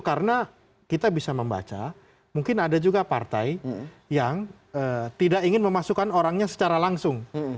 karena kita bisa membaca mungkin ada juga partai yang tidak ingin memasukkan orangnya secara langsung